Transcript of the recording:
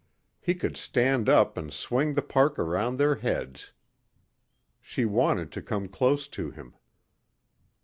He could stand up and swing the park around their heads. She wanted to come close to him.